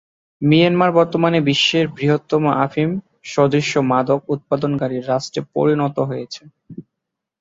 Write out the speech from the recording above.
Myanmar বর্তমানে বিশ্বের বৃহত্তম আফিম-সদৃশ মাদক উৎপাদনকারী রাষ্ট্রে পরিণত হয়েছে।